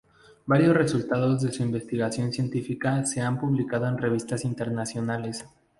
Varios resultados de su investigación científica se han publicado en revistas internacionales.